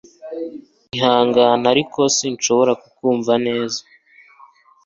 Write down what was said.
Ihangane ariko sinshobora kukumva neza